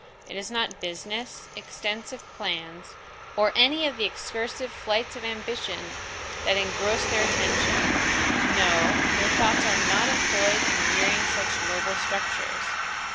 It is not business, extensive plans, or any of the excursive flights of ambition, that engross their attention; no, their thoughts are not employed in rearing such noble structures.